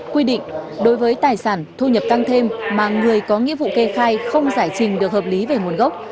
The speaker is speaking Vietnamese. quy định đối với tài sản thu nhập tăng thêm mà người có nghĩa vụ kê khai không giải trình được hợp lý về nguồn gốc